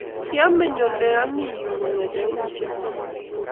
Kiameny ole ami yu kongete kenyisiek somok